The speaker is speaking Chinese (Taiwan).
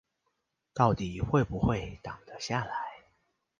到底會不會擋得下來